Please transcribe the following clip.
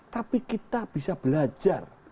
tapi kita bisa belajar